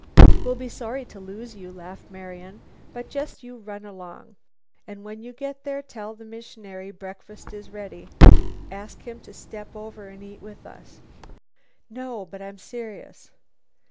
"We'll be sorry to lose you," laughed Marian; "but just you run along. And when you get there tell the missionary breakfast is ready. Ask him to step over and eat with us." "No, but I'm serious."